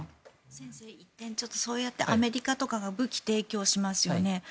先生、そうやってアメリカとかが武器を提供しますよね。